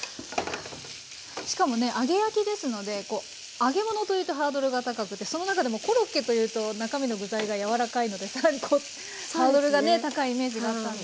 しかもね揚げ焼きですのでこう揚げ物というとハードルが高くてその中でもコロッケというと中身の具材が柔らかいのでさらにこうハードルがね高いイメージがあったんですけど。